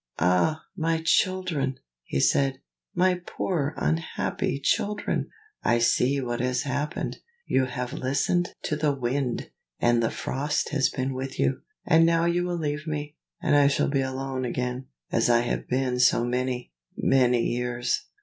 "Ah, my children!" he said; "my poor unhappy children! I see what has happened. You have listened to the Wind, and the Frost has been with you; and now you will leave me, and I shall be alone again, as I have been so many, many years."